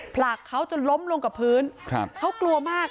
ผลักเขาจนล้มลงกับพื้นครับเขากลัวมาก